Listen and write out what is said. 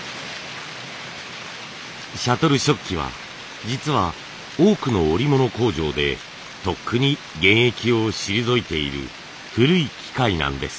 シャトル織機は実は多くの織物工場でとっくに現役を退いている古い機械なんです。